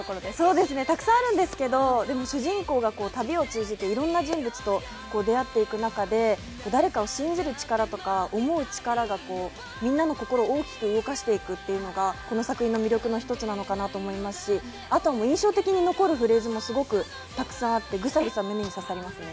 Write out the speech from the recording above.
たくさんあるんですけど、主人公が旅を通じていろんな人物と出会っていく中で、誰かを信じる力とか思う力がみんなの心を大きく動かしていくというのがこの作品の魅力の一つだと思いますしあとは印象的に残るフレーズもすごくたくさんあって、グサグサ胸に刺さりますね。